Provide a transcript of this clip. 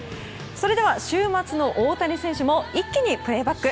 それでは週末の大谷選手も一気にプレーバック。